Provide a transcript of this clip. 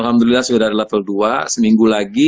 alhamdulillah sudah ada level dua seminggu lagi